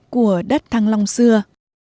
của đất thăng long xưa